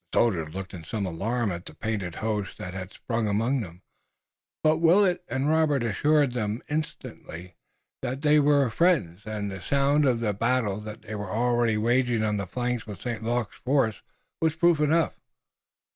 The soldiers looked in some alarm at the painted host that had sprung among them, but Willet and Robert assured them insistently that these were friends, and the sound of the battle they were already waging on the flank with St. Luc's force, was proof enough.